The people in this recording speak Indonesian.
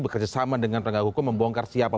bekerjasama dengan penegak hukum membongkar siapa